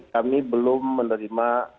kami belum menerima